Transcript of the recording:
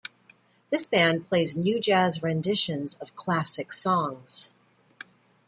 This band plays new jazz renditions of "classic" songs.